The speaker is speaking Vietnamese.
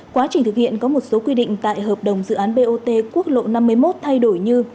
quá trình thực hiện có một số quy định tại hợp đồng dự án bot quốc lộ năm mươi một thay đổi như